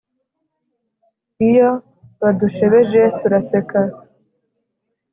iyo badushebeje turaseka